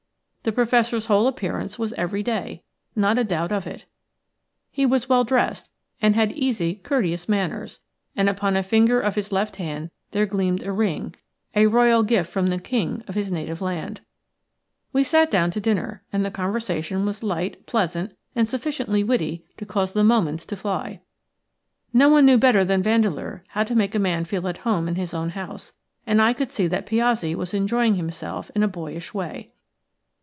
The Professor's whole appearance was everyday; not a doubt of it. He was well dressed and had easy, courteous manners, and upon a finger of his left hand there gleamed a ring, a Royal gift from the King of his native land. "PROFESSOR PIOZZI ENTERED." We sat down to dinner, and the conversation was light, pleasant, and sufficiently witty to cause the moments to fly. No one knew better than Vandeleur how to make a man feel at home in his own house, and I could see that Piozzi was enjoying himself in a boyish way.